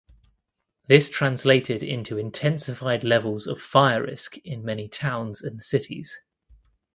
This translated into intensified levels of fire risk in many towns and cities.